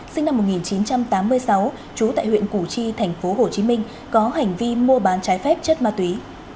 sinh năm một nghìn chín trăm tám mươi sáu trú tại huyện củ chi tp hcm có hành vi mua bán trái phép chất ma túy